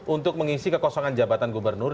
untuk mengisi kekosongan jabatan gubernur